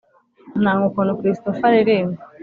nanga ukuntu christopher aririmba